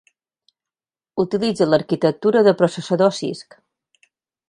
Utilitza l'arquitectura de processador Cisc.